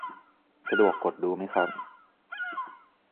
สะดวกกดดูไหมครับ